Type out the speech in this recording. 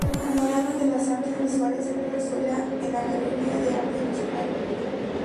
Panorama de las artes visuales en Venezuela" en la Galería de Arte Nacional.